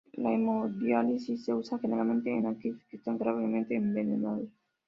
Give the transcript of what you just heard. La hemodiálisis se usa generalmente en aquellos que están gravemente envenenados.